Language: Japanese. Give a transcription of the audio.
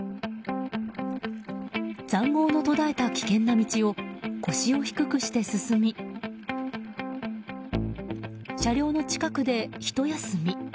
塹壕の途絶えた危険な道を腰を低くして進み車両の近くで、ひと休み。